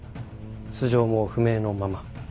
素性も不明のまま